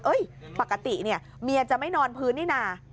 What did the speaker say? ปกติเนี่ยเมียจะไม่นอนพื้นนี่นะ